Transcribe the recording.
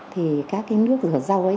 thì các nước rửa rau ấy